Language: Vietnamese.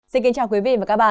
xin kính chào quý vị và các bạn